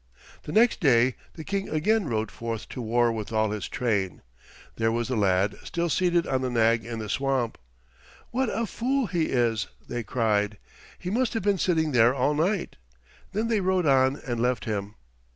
The next day the King again rode forth to war with all his train. There was the lad still seated on the nag in the swamp. "What a fool he is," they cried. "He must have been sitting there all night." Then they rode on and left him.